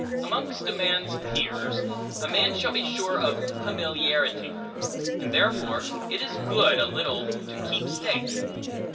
Amongst a man's peers, a man shall be sure of familiarity; and therefore it is good, a little to keep state.